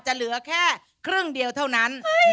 เหลือแค่ครึ่งเดียวเท่านั้น